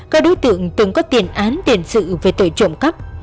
các đối tượng từng có tiền án tiền sự về tội trộm cắp